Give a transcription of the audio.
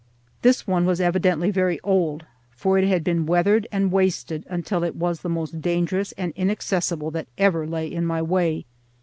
This one was evidently very old, for it had been weathered and wasted until it was the most dangerous and inaccessible that ever lay in my way.